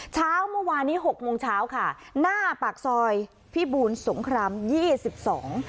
เช้าเมื่อวานนี้หกโมงเช้าค่ะหน้าปากซอยพิบูลสงครามยี่สิบสอง